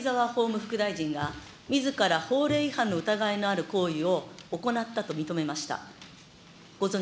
法務副大臣がみずから法令違反の疑いがある行為を行ったと認めました。